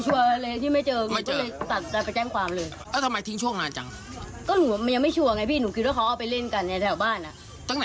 ส่วนใหญ่เขาก็พยายามอุ้มไปเล่นบ่อยหรอ